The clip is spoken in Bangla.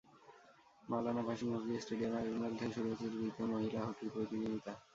মওলানা ভাসানী হকি স্টেডিয়ামে আগামীকাল থেকে শুরু হচ্ছে তৃতীয় মহিলা হকি প্রতিযোগিতা।